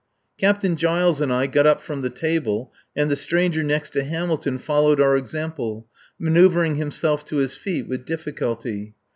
Captain Giles and I got up from the table, and the stranger next to Hamilton followed our example, manoeuvring himself to his feet with difficulty.